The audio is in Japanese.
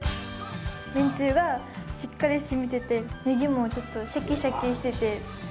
めんつゆがしっかりしみててねぎもちょっとシャキシャキしてて。